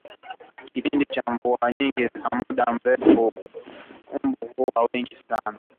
Kipindi cha mvua nyingi za muda mrefu mbu huwa wengi sana